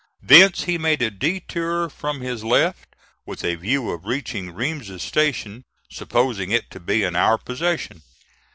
Thence he made a detour from his left with a view of reaching Reams's Station (supposing it to be in our possession).